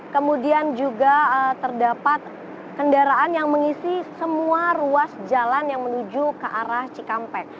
kemudian juga terdapat kendaraan yang mengisi semua ruas jalan yang menuju ke arah cikampek